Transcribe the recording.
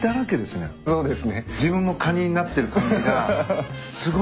そうですね。